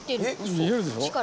見えるでしょ。